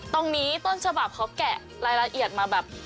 ต้นฉบับเขาแกะรายละเอียดมาแบบ